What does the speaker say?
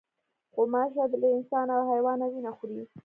غوماشه له انسان او حیوانه وینه خوري.